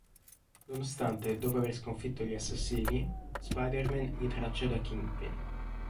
Nonostante, dopo aver sconfitto gli assassini, Spider-Man li traccia da Kingpin.